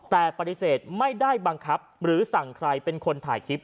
แต่ปฏิเสธไม่ได้บังคับหรือสั่งใครเป็นคนถ่ายคลิป